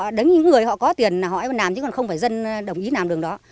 đấy là những người họ có tiền họ làm chứ còn không phải dân đồng ý làm đường đó